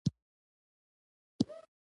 زما بدن درد کوي